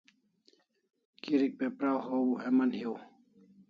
Kirik pe praw haw heman hiu